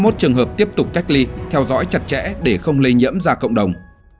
sáu mươi một trường hợp tiếp tục cách ly theo dõi chặt chẽ để không lây nhiễm ra cộng đồng